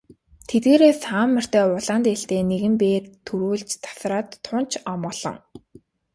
Тэдгээрээс цагаан морьтой улаан дээлтэй нэгэн бээр түрүүлж тасраад тун ч омголон.